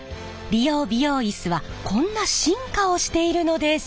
理容・美容イスはこんな進化をしているのです。